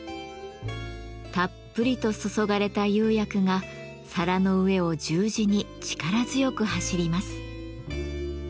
たっぷりと注がれた釉薬が皿の上を十字に力強く走ります。